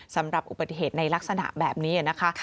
สำหรับอุบัติเหตุในลักษณะแบบนี้นะคะ